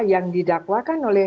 yang didakwakan oleh